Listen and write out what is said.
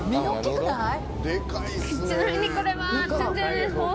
ちなみにこれは。